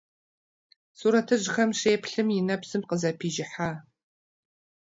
Сурэтыжьхэм щеплъым и нэпсым къызэпижыхьащ.